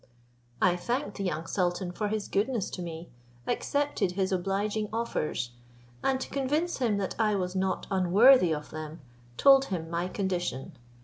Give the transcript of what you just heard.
I thanked the young sultan for his goodness to me, accepted his obliging offers; and to convince him that I was not unworthy of them, told him my condition.